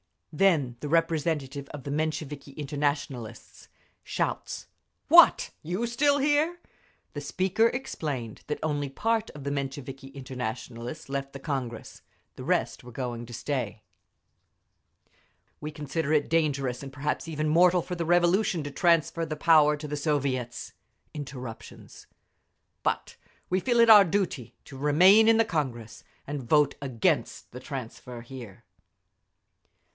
Then the representative of the Mensheviki Internationalists. Shouts, "What! You here still?" The speaker explained that only part of the Mensheviki Internationalists left the Congress; the rest were going to stay— "We consider it dangerous and perhaps even mortal for the Revolution to transfer the power to the Soviets"—Interruptions—"but we feel it our duty to remain in the Congress and vote against the transfer here!"